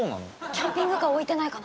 キャンピングカー置いてないかな？